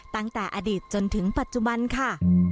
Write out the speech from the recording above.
ตั้งแต่อดีตจนถึงปัจจุบันค่ะ